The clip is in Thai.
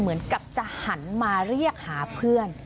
เหมือนกับจะหันมาเรียกหาเพื่อน